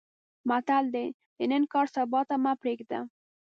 متل دی: د نن کار سبا ته مه پرېږده.